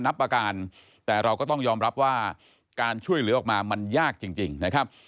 นับประการแต่เราก็ต้องยอมรับว่าการช่วยเหลือออกมามันยากจริงนะครับ